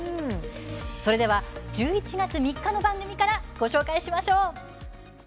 それでは、１１月３日の番組からご紹介しましょう。